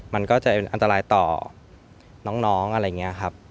มันก็จะเป็นอันตรายต่อน้องอะไรอย่างนี้ครับ